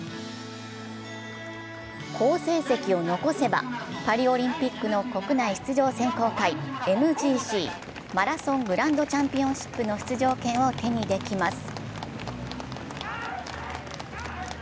好成績を残せば、パリオリンピックの国内出場選考会、ＭＧＣ＝マラソン・グランド・チャンピオンシップの出場権を手にします。